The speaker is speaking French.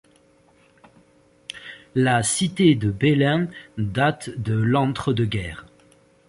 La cité de Bellaing date de l'entre-deux-guerres.